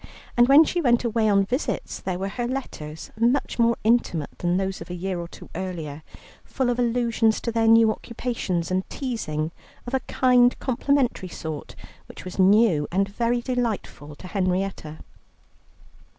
And when she went away on visits, there were her letters, much more intimate than those of a year or two earlier, full of allusions to their new occupations, and teasing of a kind, complimentary sort, which was new and very delightful to Henrietta.